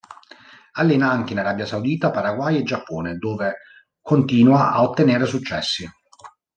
Allena anche in Arabia Saudita, Paraguay e Giappone, dove continua a ottenere successi.